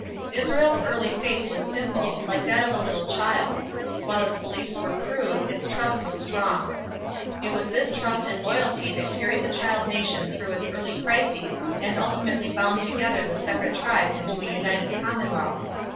Israel's early faith was simple, like that of a little child. While its beliefs were crude, its trust was strong. It was this trust and loyalty that carried the child nation through its early crises and ultimately bound together the separate tribes into a united commonwealth.